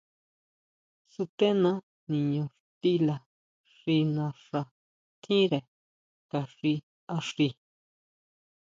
Sutena niño xtila xi naxa tjínre ka xi axí.